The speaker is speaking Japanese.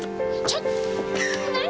ちょっと。